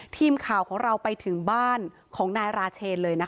ทีมข่าวของเราไปถึงบ้านของนายราเชนเลยนะคะ